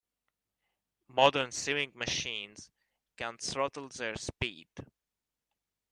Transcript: Modern sewing machines can throttle their speed.